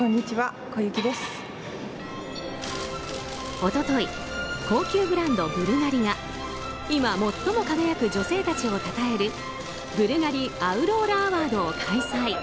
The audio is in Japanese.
一昨日、高級ブランドブルガリが今、最も輝く女性たちをたたえるブルガリアウローラアワードを開催。